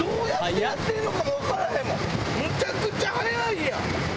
むちゃくちゃ速いやん！